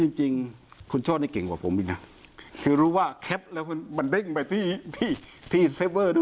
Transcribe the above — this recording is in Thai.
จริงจริงคุณโชธนี่เก่งกว่าผมอีกนะคือรู้ว่าแคปแล้วมันเด้งไปที่ที่เซฟเวอร์ด้วย